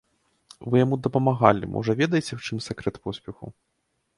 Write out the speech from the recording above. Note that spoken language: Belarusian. Вы яму дапамагалі, можа, ведаеце, у чым сакрэт поспеху?